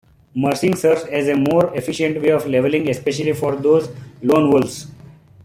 Mercing serves as a more efficient way of leveling especially for those 'Lone Wolves'.